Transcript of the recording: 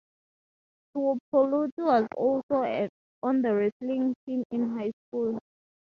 Tuipulotu was also on the wrestling team in high school.